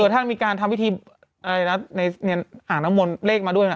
ถ้ามีการทำวิธีอะไรนะอ่านหมุนเลขมาด้วย